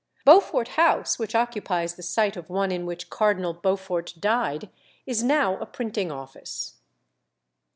Beaufort House, which occupies the site of one in which Cardinal Beaufort died, is now a printing office.